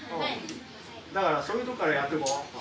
だからそういうとこからやってこう。